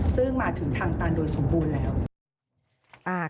ซึ่งมาถึงทางตันโดยสมบูรณ์แล้ว